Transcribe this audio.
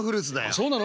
そうなの？